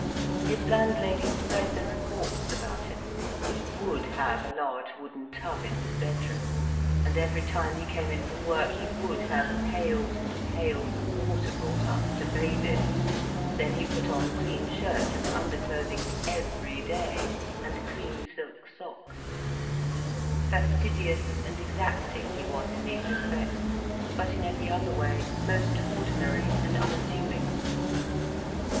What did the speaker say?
His landlady spread the reports about him; he would have a large wooden tub in his bedroom, and every time he came in from work, he would have pails and pails of water brought up, to bathe in, then he put on clean shirt and under clothing every day, and clean silk socks; fastidious and exacting he was in these respects, but in every other way, most ordinary and unassuming.